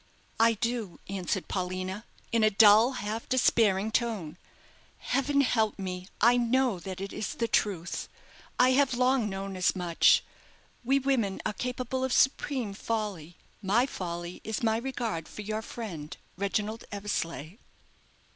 "I do," answered Paulina, in a dull, half despairing tone. "Heaven help me! I know that it is the truth. I have long known as much. We women are capable of supreme folly. My folly is my regard for your friend Reginald Eversleigh."